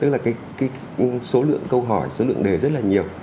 và cái số lượng câu hỏi số lượng đề rất là nhiều